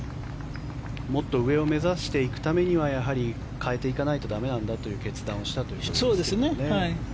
もっと上を目指していくためにはやはり変えていかないと駄目なんだという決断をしたということですよね。